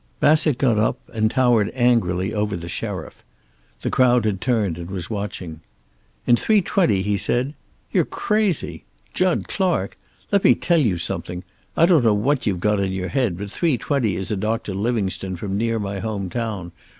Bassett got up and towered angrily over the sheriff. The crowd had turned and was watching. "In three twenty?" he said. "You're crazy. Jud Clark! Let me tell you something. I don't know what you've got in your head, but three twenty is a Doctor Livingstone from near my home town.